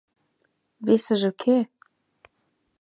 — Весыже кӧ?